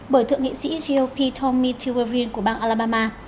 bởi thượng nghị sĩ gop tommy t wervin của bang alabama